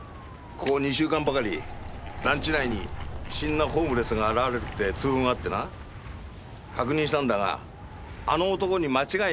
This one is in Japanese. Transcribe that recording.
ここ２週間ばかり団地内に不審なホームレスが現れるって通報があってな確認したんだがあの男に間違いないっつってんだ